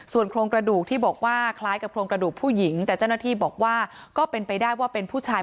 โครงกระดูกที่บอกว่าคล้ายกับโครงกระดูกผู้หญิงแต่เจ้าหน้าที่บอกว่าก็เป็นไปได้ว่าเป็นผู้ชาย